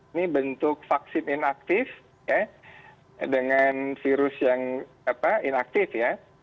ini bentuk vaksin inaktif dengan virus yang inaktif ya